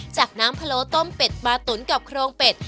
จากน้ำพะโลต้มเป็ดปลาตุ๋นกับโครงเป็ด